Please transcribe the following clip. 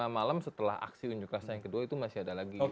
dua puluh lima malam setelah aksi unjuk rasa yang kedua itu masih ada lagi